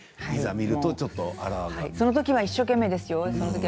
そのときは一生懸命ですよ。